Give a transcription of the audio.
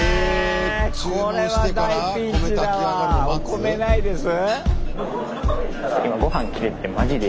米ないです？